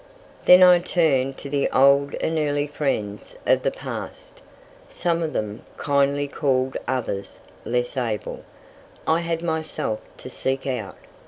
Then I turned to the old and early friends of the past. Some of them kindly called; others, less able, I had myself to seek out.